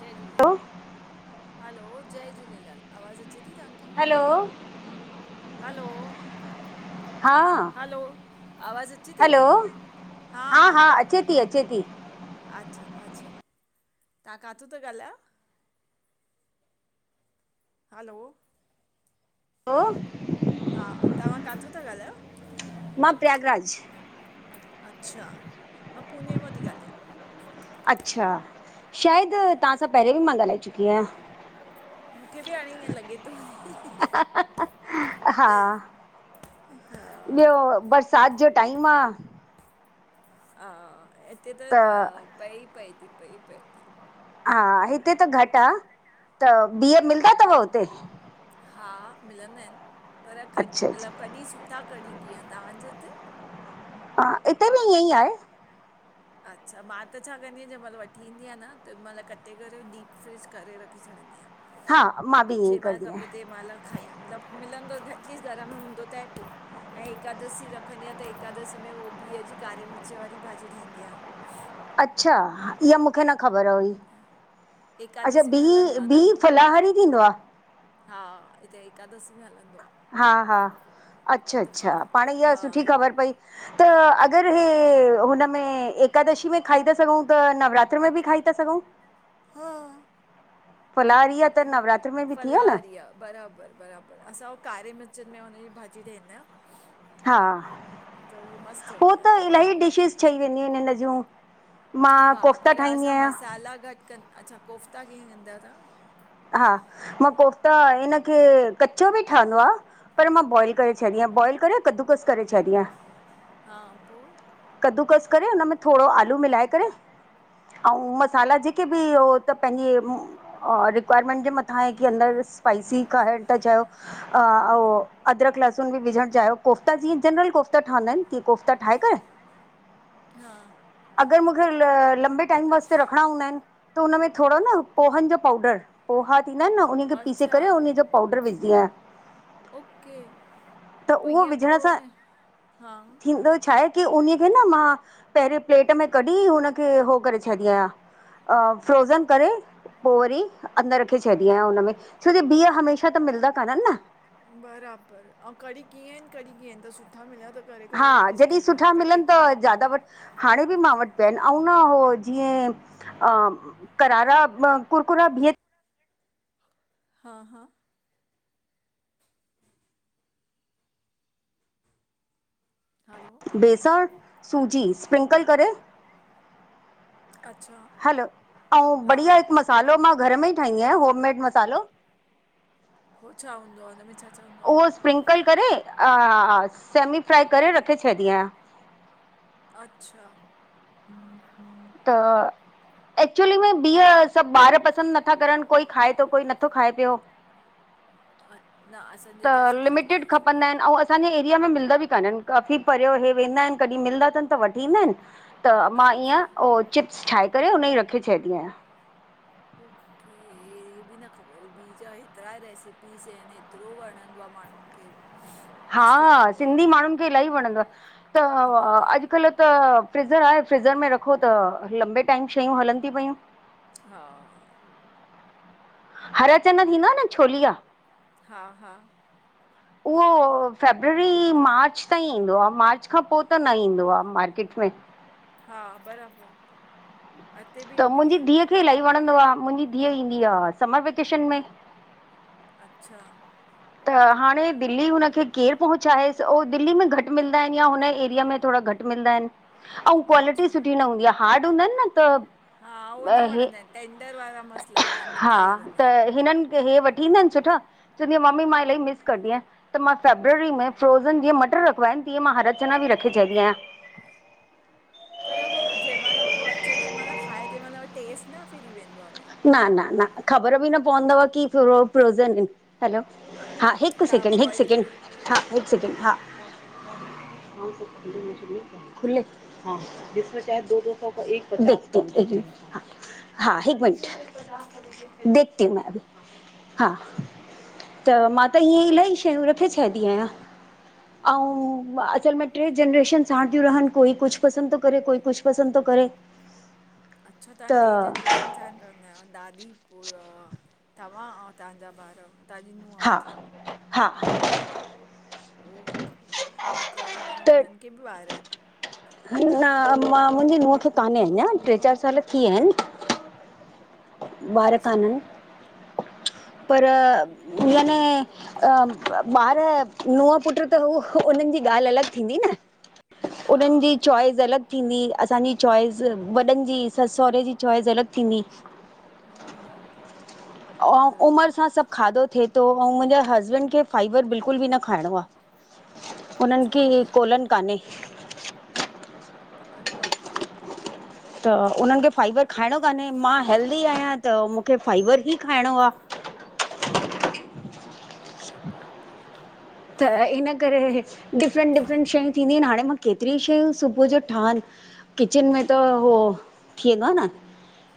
जय Jhulelal, hello hello जय झूलेलाल, आवाज़ु अचे थी तव्हांखे? हलो हलो, हा हलो, आवाज़ अचे ती? हलो हा हा अचे ती। अचे ती। अच्छा अच्छा, तव्हां काथों ता ॻाल्हायो? हलो हलो हा, तव्हां काथों था ॻाल्हायो? मां प्रयागराज। अच्छा, मां पूने मां थी ॻाल्हायां। अच्छा, शायदि तव्हां सां पहिरें बि मां ॻाल्हाए चुकी आहियां। मूंखे बि हाणे ईअं लॻे थो। हा हा। हा। -सात जो टाइम आ। हा, हिते त पए पए ती, पए पए ती। हा हिते त घटि आ, त ॿीह मिलंदा तव हुते? हा मिलंदा आहिनि‌, पर कॾहिं अच्छा अच्छा मतलबु कॾहिं सुठा कॾहिं कीअं, तव्हांजे हिते? हा हिते बि ईअं ई आहे। अच्छा, मां त छा कंदी आहियां, जंहिं महिल वठी ईंदी आहियां न तंहिं महिल कटे करे डीप फ्रिज करे रखे छॾींदी हा मां बि आहियां। ईअं ई जे महिल कंदी खपे आहियां तंहिं महिल खाई मतलबु, मिलंदो एटलीस घर में हूंदो त आहे पो ऐं एकादशी रखंदी आहियां त एकादशी में उहो बिह जी कारे मिर्च वारी भाजी ठहंदी आ। अच्छा, इहा मूंखे न ख़बर हुई। अच्छा एकादशी में बीह हलंदो आहे बी न फलाहारी थींदो आ? हा, हिते एकादशी में हलंदो आ। हा हा, अच्छा अच्छा, पाण इहा हा सुठी ख़बर पई। त अगरि हे हुनमें एकादशी में खाई था सघूं त नवरात्र में बि खाई था सघूं हा फलाहारी फलाहारी आ। बराबर बराबर, असां उ कारे मिर्चनि में हुनजी भाजी ठाहींद आहियूं। हा त उह मस्त ठहंदी आ, तहां हो ठई वेंदयूं आहिन हिन जियूं। हा पर असां मसाला घटि कनि, अच्छा कोफ्ता कीअं कंदा आयो तहां? हा, मां कोफ़्ता इनखे कचो बि ठहंदो आ। पर मां बॉइल करे छॾी आहियां, बॉइल करे कदूकस करे छॾी आहयां। हा, पो? कद्दुकस करे हुनन में थोरो आलू मिलाए करे अऊं मसाला जेक जेके बि उ त पंहिंजे रिक्वायरमेंट जे मथां आहे की अंदरि स्पाइसी खाइण था चाहियो अ अऊं अदरक लहसुन बि विझण चाहियो, कोफ़्ता जीअं जनरल कोफ़्ता ठहंदा आहिनि, ती कोफ़्ता ठाहे करे हा अगरि मूंखे लंबे टाइम वास्ते रखिणा हूंदा आहिनि त उन में थोड़ो न पोहनि जो पाउडर पोहा थींदा आहिनि न उन खे पीस अच्छा करे उन जो पाउडर विझंदी आहियां। ओके, त पो उहो इंअ पो विझण सां ह न ह थींदो छा आहे की उन खे न मां पहिरें प्लेट में कढी उनखे हो करे छॾी आहियां। फ्रोज़न करे पो वरी अंदरि रखे छॾी आहियां हुनमें, छो जो बिह हमेशह त मिलंदा काननि न। बराबर, अऊं कड़ी कीअं आहिनि, कड़ी कीअं आहिनि त सुठा मिलिया त करे हा करे रखी जॾहिं सघंदा आहियो सुठा कटे मिलनि त करे ज्यादा वठि हाणे बि मां वटि पिया आहिन, अउं न हो जीअं अ करारा कुरकुरा बिअ हा हा हलो बेसण, सूजी स्प्रिंकल करे अच्छा हलो, अउं हा बढ़िया हिकु मसालो मां घर में ई ठाहींदी आहियां होममेड मसालो। हो छा हूंदो आहे हुन में छा छा हूंदो उहो स्प्रिंकल करे ऐं सेमीफ्राए करे रखे छॾीदीं आहियां। अच्छा, हम हम त एक्चुली में ॿीह, सभु ॿार पसंदि नथा करनि कोई खाए थो, कोई नथो खाए पियो। अ न असां त हिते खाईंदा लिमिटेड आहियूं खपंदा सभई आहिनि ऐं असां असांजे एरिया में मिलंदा बि कान्हनि काफ़ी परियो इहे वेंदा आहिनि, कॾहिं मिलंदा अथनि त वठी ईंदा आहिनि। त मां ईअं अच्छा उहो चिप्स ठाहे करे उनजी रखी छॾंदी आहियां। उफ मूंखे हे बि न ख़बर हुई ॿी जा हेतिरा रेसिपीस आहिनि हेतिरो वणंदो आ माण्हुनि खे। हा मस्तु लॻंदो सिंधी आहे माण्हुनि खे इलाही वणंदो आ। त हा अ अॼुकल्ह त फ्रिज़र आहे फ्रिज़र में रखो त लंबे टाइम शयूं हलनि तीयूं पयूं। हा हरा चना थींदो आ न छोलिया हा हा उहो, फेबररी मार्च ताईं ईंदो आ, मार्च खां पो त न ईंदो आ मार्केट में। हा बराबर त मुंहिंजी धीउ खे इलाही वणंदो आ, मुंहिंजी धीउ ईंदी आ, समर वेकेशन में। अच्छा त हाणे दिल्ली हुनखे केरु पहु़ंचाएसु, ओ दिल्ली में घटि मिलंदा आहिनि या हुन एरिया में थोडा घटि। मिलंदा आहिनि। अऊं क्वालिटी अच्छा सुठी न हूंदी आ हार्ड हूंदा आहिनि न त हा उहो न ॿ हे वणंदा आहिनि टेंडर वारा मस्तु लॻंदा आहिनि हा, मिठा लॻंदा त आहिनि हिननि खे हे वठ थींदा आहिनि सुठा, चवंदी आ मम्मी मां इलाही मिस कंरदी आहियां। त मां फेबररी में फ्रोज़न जीअं मटर रखिबा आहिनि तीअं मां हरा चना बि रखे छॾंदी आहियां। पर हो जंहिं महिल पो अचे, तेहिं महिल खाए तेहिं महिल वरी टेस्ट न फिरी वेंदो आ हुनयो। न न न ख़बर बि न पोवंदव कि फ्रो फ्रोज़न आहिनि। हैलो हा हिकु तव्हां सेकिण्ड, हिकु बॉइल सेकिण्ड करे हा हिकु सेकिण्ड हा। हा सभु खाइंदे हू छा खुले, हा इसमें शायद दो दो का एक बचा है। हा हा हिकु मिंट, हा देखती हूँ मैं अभी हा। त मां त इये इलाही शयूं रखे छॾींदी आहियां। अऊं असल में ट्रे जनरेशन साण थियूं रहनि, कोई कुझु पसंदि तो करे, कोई कुझु पसंदि तो करे। अच्छा, तां त टे जनरेशन साण रंहदा आहियो। दादी पो तव्हां अऊं तव्हांजा ॿारु तव्हांजी नूंहुं हा मतिलबु हा ओके, त हाणे त हुननि खे बि ॿारु आहिनि? न मां मुंहिंजी नुंहं खे कान्हे अञां, टे चारि साल थी विया आहिनि। ॿारु अच्छा काननि, पर याने अ ॿारु नूंहं पुट त हू उननि जी ॻाल्हि अलॻि थींदी न हा उननि जी चॉइस अलॻि थींदी असांजी चॉइस, वॾनि जी ससु सहुरे जी चॉइस अलॻि थींदी। हूं अऊं उमिरि सां सभु खाधो थिए तो ऐं मुंहिंजे हसबैंड खे फाइबर बिल्कुल बि न खाइणो आ। उननि छो खे ईअं कोलनि कान्हे। अरे बाप रे त उननि खे फाइबर खाइणो कान्हे, मां हेल्दी आहियां, त मूंखे फ़ाइबर ई खाइणो आ। अरे बाप रे। त हिन करे डिफरेंट डिफरेंट शयूं थींदियूं आहिनि हाणे मां केतिरी शयूं सुबुह जो ठाहनि। किचन में त हो, थी वेंदो आ न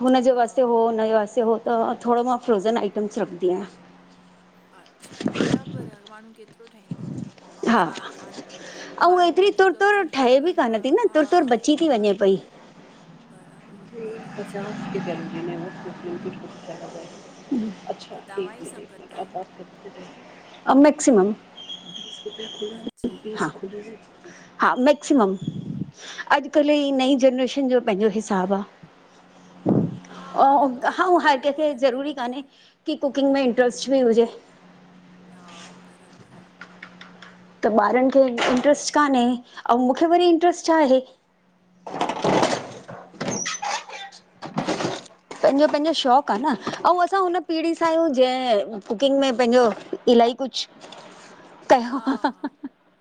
हुनजे हा वासते हो हुनजे वासे हो त थोडो मां फ्रोजन आइटम्स रखंदी आहियां। अच्छा बराबर आ माण्हू केतिरो ठाहींदो। अऊं हा फ खा ऐं माण्हू एतिरी तुर वधीक तुर हुजन त ठहे बि लॻंदो कान आ थी न हा तुर तुर बची थी न न। [inaudible] बरा पचास की गैरंटी [unintelligible] [inaudible] अच्छा, पोइ तव्हां हिकु ई मिनट, सभु कंदा आहियो हिकु मिनट [unintelligible] [inaudible] मॅक्सिमम। अच्छा हा, हा, मैक्सीमम अॼुकल्ह जी नई जनरेशन जो पंहिंजो हिसाब ऐं हा हुननि खे एतिरो हर कहिंखे वणंदो ज़रूरी बि न आहे। कान्हे। की कुकिंग में इंटरेस्ट बि हुजे। हा, बराबरि आ। त ॿारनि खे इंटरेस्ट कान्हे ऐं मूंखे वरी इंटरेस्ट छा आहे हा। बराबरि। पंहिंजो-पंहिंजो शौक़ आ न ऐं असां हुन पीढ़ी सां आहियूं जंहिं कुकिंग में पंहिंजो इलाही कुछु [inaudible] हा-हा।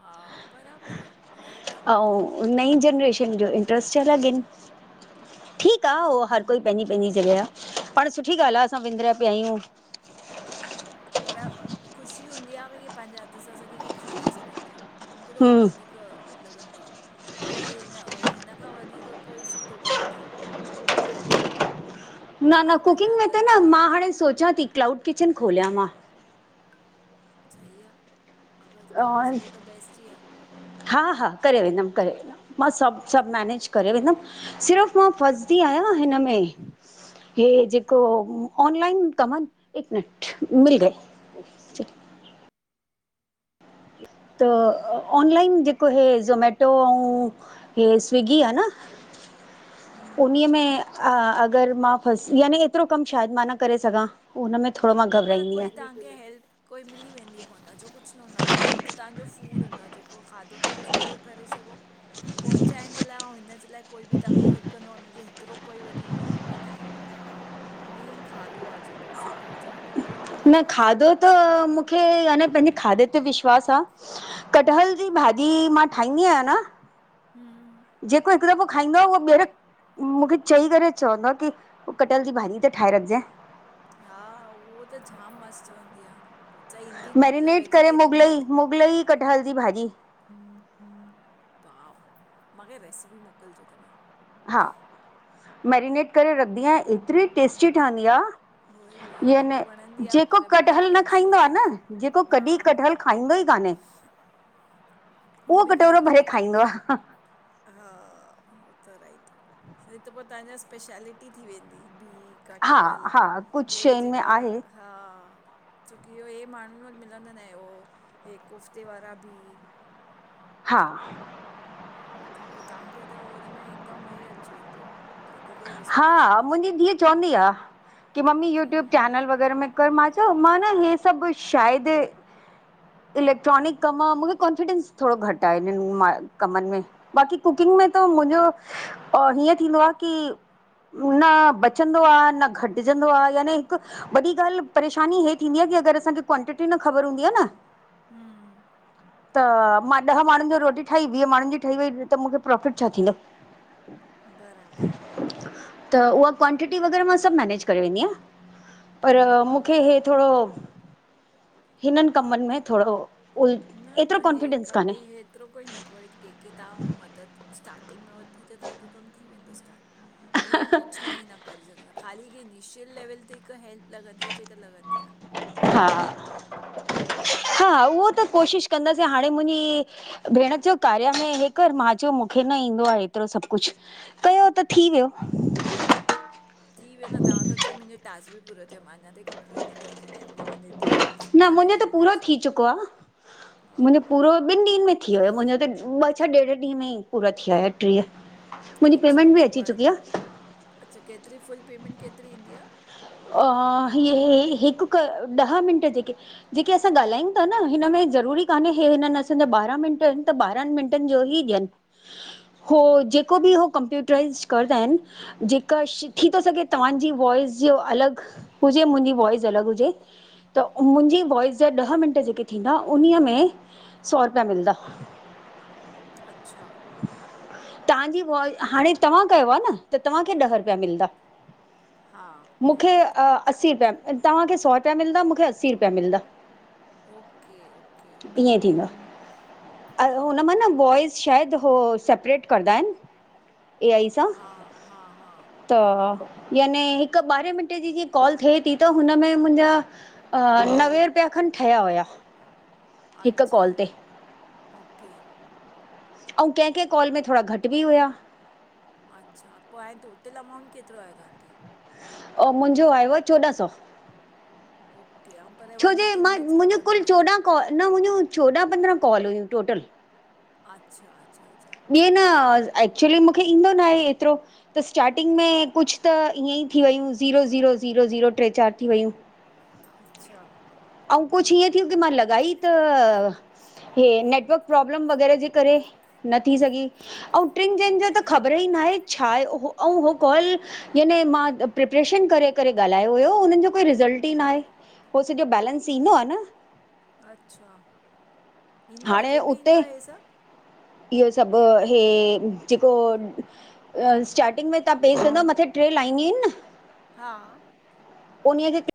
हा, बराबरि आ, राइट आ। Trust her again. ठीक आ हर कोई पंहिंजी पंहिंजी पाण सुठी ॻाल्हि आहे, असां विंद्रा पिया आहियूं। पर ख़ुशी हूंदी आहे की पंहिंजे हथ सां असां कंहिंखे खाराए सगंदा हो। मूंखे त उहो ही हूं वधीकर लॻंदो आहे की हिन-हिन खां वधीकर कोई सुठो कम न आ। तव्हां न-न पंहिंजे कुकिंग में त हथनि न सां मां हाणे सोचियां थी क्लाउड किचन खोलियां मां। सही आ। अॻरि करे सघो त बेस्ट ई आ। हा-हा करे वेंदमि, करे वेंदमि। मां सभु-सभु मेनेज करे वेंदमि। सिर्फ़ु मां फसदी आहियां हिनमें इहे जेको ऑनलाइन कमनि, एक मिनट मिल गए। [inaudible] त ऑनलाइन जेको हे ज़ोमैटो ऐं हे स्विगी आ न उन हम्म में अॻरि मां फस यानी एतिरो कमु शायदि मां न करे सघां। हुन में थोड़ो न पर कोई तव्हांखे हेल्प कोई मिली वेंदी हुन जो कुछ न हूंदो आहे मेन त तव्हांजो फूड हूंदो आहे जेको खाधो तव्हां सु सुठो करे सघो पहुचाइण जे लाइ, ऐं हिन जे लाइ कोई बि तव्हांखे हेल्प कंदो आहे हुनजे हेतिरो कोई वधीकर हुन में न आहे। [inaudible] मेन खाधो आ, जेको सुठो हुजणु खपे। न खाधो त मूंखे यानी पंहिंजे खाधे ते विश्वास विश्वास आ। कटहल जी भाॼी मां ठाहींदी आहियां न हम्म। जेको हिकु दफ़ो खाईंदो आहे उहो ॿीहर मूंखे चई करे चवंदो आहे की कटहल जी भाॼी त ठाहे रखजांइ। हा, उहो त जामु मस्तु हूंदी आ। मैरिनेट करे मुगलई, मुगलई कटहल जी भाॼी। वाउ, मां खे रेसिपी मोकिलिजो तव्हां। हा, मैरिनेट करे रखंदी आहियां एतिरी टेस्टी ठहंदी आ। उहो ई उहो ई यानी मूंखे वणंदी आहे जेको पर मुंहिंजा कटहल न फ्रेंड्स खाईंदो आहे आहिनि न जेको हा कॾहिं कटहल खाईंदो ई काने, उहो बि कटोरो खाइणु भरे लॻनि खाईंदो आ हा त राइट आ, फिर त पो तव्हांजा स्पेशेलिटी थी वेंदी बीह हा कठहल हा कुझु इहे शयुनि में जेका आहे हा छोकी इहो इहे माण्हुनि वटि मिलंदां आनि ऐ उहो इहे कोफ़्ते वारा बिह हा त उहो तहांखे त हुनमें हिकदमि हे अची वेंदो वधीक ई रिस्पॉन्स हा, ईंदो मुंहिंजी धीउ चवदी आ कि मम्मी यू टूयब हम्म चेनल वग़ैरह में कर मां चयो न हे सभु शायदि इलेक्ट्रॉनिक कमु आ, मूंखे कॉन्फिडेंस थोरो घटि आहे इननि मां कमनि में बाक़ी कुकिंग में त मुंहिंजो हीअं थींदो आ की न बचंदो आ, न घटिजंदो आ यानी हिक वॾी ॻाल्हि परेशानी हे थींदी आ की अगरि असांखे क्वांटिटी न ख़बर हूंदी आ न हम्म त मां ॾह माण्हुनि जो रोटी ठाही वीह माण्हुनि जी ठही वई, त मूंखे प्रोफिट छा थींदो? बराबरि त उहा क्वांटिटी वग़ैरह मां सब मेनेज करे वेंदी आहिया पर हम्म मूंखे हम्म हे थोरो, हिननि कमनि में थोरो उल न न एतिरो हे कॉन्फिडेंस कम कान्हे बि हेएतिरो कोई न पोए कंहिंखे तव्हां मदद स्टार्टिंग मां वठी त तहांजो कमु थी वेंदो स्टार्ट हीअं कुछ न ई न करे सघंदा, ख़ाली की इनिशियल लेवल ते हिकु हेल्प लॻंदी आ जेका लॻंदी आह हा, हा उहो त कोशिश कंदासीं हाणे मुंहिंजी भेण जो कार्य में हे कर मां, चयो मूंखे न ईंदो आ एतिरो सभु कुछ कयो त थी वियो थी वियो न तव्हां त चयो मुंहिंजो टास्क बि पूरो थियो, मां अञा ताई कंप्लीट न करे सघी आया मुंहिंजाो व न मुंहिंजो त पूरो थी चुको आ, हा मुंहिंजो पूरो ॿिनि ॾींहंनि में थी वियो मुंहिंजो त ॿ छ ॾेढ ॾींहं में ई पूरा थीया ईअ, मुंहिंजी अच्छा पेमेंट बि पोइ अची हाणे चुकी आ त- अच्छा केतिरी, फुल पेमेंट केतिरी ईंदी आ? अ इहे हिकु ॾह मिंट जेके जेके असां ॻाल्हायूं था न हिनमें ज़रूरी कान्हे हे हिननि असांजा ॿारहां मिनट त बारहनि मिंटनि जो ई ॾियन हो जेको बि हो कंप्यूटराइज़ कंदा आहिनि जेकर शीखी तो सघे तव्हांजी वॉइस जो अलग हुजे, मुंहिंजी वॉइस अलग हुजे त मुंहिंजी वॉइस जा ॾह मिंट जेके थींदा, उन्हीअ में सौ रुपया मिलदा [inaudible] घरररररर अच्छा तव्हांजी काल, हाणे तव्हां कयो आ न त तव्हांखे ॾह रुपिया मिलदा हा मूंखे राइट असीं रुपया, तव्हांखे सौ रुपिया मिलंदा मूंखे असीं रुपिया मिलंदा ओके ओके ओके ऐ हा हुन हा मां न हा वाॅइस शायदि हो सेपरेट कंदा आहिनि ए आई स, हा हा हा त हा याने हिकु ॿारहें मिन्टें जी जीअं कॉल थिए थी त हुनमें मुंहिंजा अ नवे रुपिया खनि ठहिया हुया हिकु अच्छा कॉल ते ओके अऊ केंहिं केंहिं कॉल में थोरा घटि बि हुया अच्छा पोइ ऐं टोटल अमाउंट केतिरो आयो तव्हांखे अ मुंहिंजो आयोआ चोॾहं सौ ओके ऐं पर वन छोॼे एटी मां मिनट्स मुंहिंजो ख़तमु कुल थी विया चौॾहं कॉल न मुंहिंजियूं चोॾहं पंद्रहं कॉल हुयूं टोटल अच्छा अच्छा अच्छा ईंयं न एक्चुली मूंखे ईंदो ना आहे एतिरो त स्टार्टिंग में कुछु त ईअं ई थी वयूं ज़ीरो ज़ीरो ज़ीरो ज़ीरो ट्रे चारि थी वयूं अच्छा अऊं कुछु इएंं थियुं कि मां लॻाई त हे नेटवर्क प्रोब्लम वग़ैरह ॼे करे न थी सघी अऊं ट्रिन चइनि ॼो त ओके ख़बर ई ना हे छा आहे ओह अऊं हो कॉल याने मां प्रिपरेशन करे करे ॻाल्हायो हुयो उन्हनि ॼो कोई रिॼल्ट ई नाहे हो सॼो बैलेंस ईंदो आ न अच्छा ईंदो आहे हांणें कंहिंमें उते ईंदो आहे हे सभु इहो सभु हे ॼेको अ स्टार्टिंग में तव्हां पे कंदाव मथां ट्रे लाइनियूं इनि न हा उन्हींअ खे